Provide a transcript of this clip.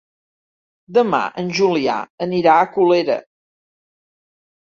Demà en Julià anirà a Colera.